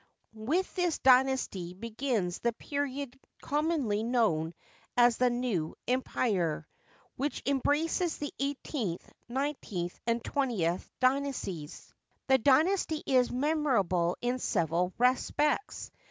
With this dynasty begins the period commonly known as the New Empirey' which embraces the eighteenth, nineteenth, and twentieth dynasties. The dynasty is memorable in several respects.